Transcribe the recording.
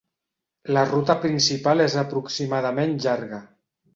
La ruta principal és aproximadament llarga.